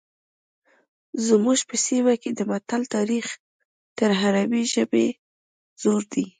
زموږ په سیمه کې د متل تاریخ تر عربي ژبې زوړ دی